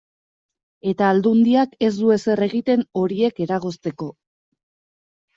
Eta Aldundiak ez du ezer egiten horiek eragozteko.